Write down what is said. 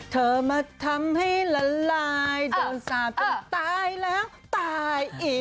เธอมาทำให้ละลายโดนสาบจนตายแล้วตายอีก